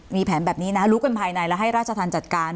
มีแผนแบบนี้นะรู้กันภายในแล้วให้ราชธรรมจัดการ